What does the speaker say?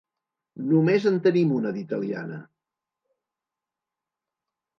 Només en tenim una, d'italiana.